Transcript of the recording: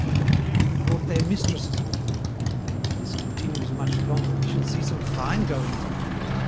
They've even brought their mistresses with them. If this continues much longer we shall see some fine goings on."